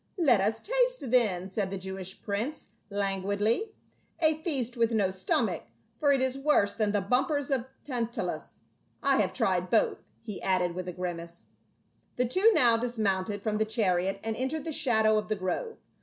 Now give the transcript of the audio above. Let us taste then," said the Jewish prince lan guidly. "A feast with no stomach for it is worse than the bumpers of Tantalus. I have tried both," he added with a grimace. The two now dismounted from the chariot and en tered the shadow of the grove.